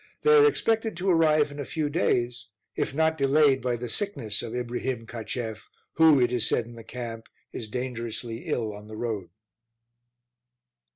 They are expected to arrive in a few days, if not delayed by the sickness of Ibrihim Cacheff, who, it is said in the camp, is dangerously ill on the road.